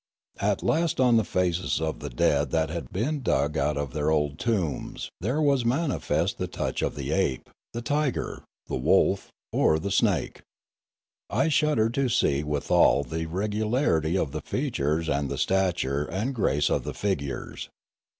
At last on the faces of the dead that had been dug out of their old tombs there was the manifest touch of the ape, the tiger, the wolf, or the snake. I shuddered to see withal the regularity of the features and the stature and grace of the figures.